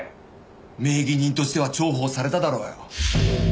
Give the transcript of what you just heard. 名義人としては重宝されただろうよ。